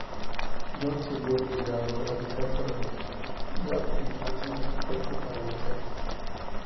John se vio obligado a dejar que Nergal entrase en su cuerpo para vencerle.